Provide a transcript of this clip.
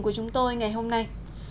của chúng tôi ngày hôm nay